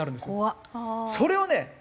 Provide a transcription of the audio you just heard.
それをね